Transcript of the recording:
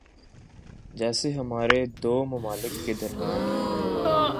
جیسے ہمارے دو ممالک کے درمیان ہیں۔